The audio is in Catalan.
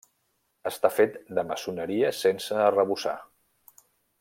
Està fet de maçoneria sense arrebossar.